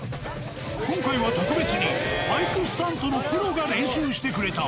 今回は特別にバイクスタントのプロが練習してくれた。